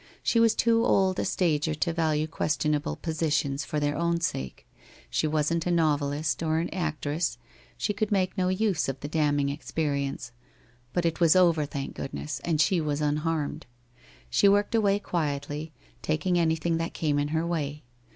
She was too old a stager to value questionable positions for their own sake. She wasn't a novelist, or an actress; she could make no use of the damning experience. But it was over, thank goodness, and she was unharmed. She worked away quietly, taking anything that came in her way.